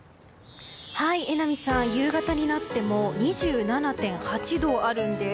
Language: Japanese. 榎並さん、夕方になっても２７．８度あるんです。